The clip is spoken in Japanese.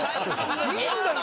いいんだよ！